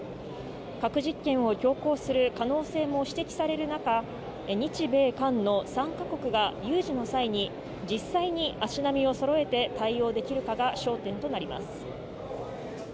核実験を強行する可能性も指摘される中、日米韓の３か国が有事の際に実際に足並みを揃えて対応できるかが焦点となります。